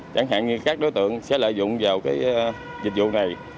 chẳng hạn như các đối tượng sẽ lợi dụng vào dịch vụ này